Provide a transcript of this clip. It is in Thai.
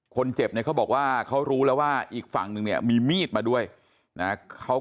คนเจ็บเนี่ยเขาบอกว่าเขารู้แล้วว่าอีกฝั่งนึงเนี่ยมีมีดมาด้วยนะ